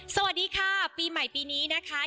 สวัสดีค่ะปีใหม่ปีนี้นะคะ